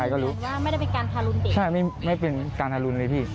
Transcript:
คือแบบว่าไม่ได้เป็นการทารุนเปลี่ยนหรือเปล่าใช่ไม่เป็นการทารุนเลยพี่